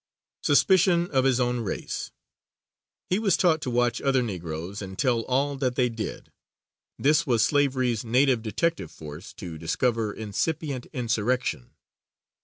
Suspicion of his own race. He was taught to watch other Negroes and tell all that they did. This was slavery's native detective force to discover incipient insurrection.